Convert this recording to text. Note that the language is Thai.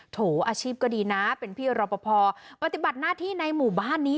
โถอาชีพก็ดีนะเป็นพี่รอปภปฏิบัติหน้าที่ในหมู่บ้านนี้